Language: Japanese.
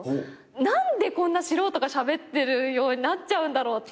何でこんな素人がしゃべってるようになっちゃうんだろうって。